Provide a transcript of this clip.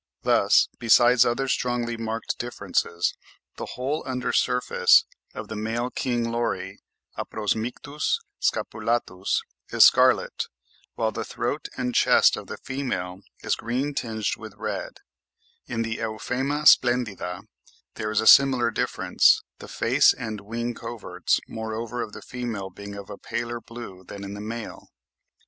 Thus, besides other strongly marked differences, the whole under surface of the male King Lory (Aprosmictus scapulatus) is scarlet, whilst the throat and chest of the female is green tinged with red: in the Euphema splendida there is a similar difference, the face and wing coverts moreover of the female being of a paler blue than in the male.